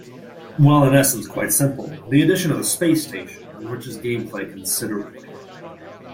While in essence quite simple, the addition of the space station enriches gameplay considerably.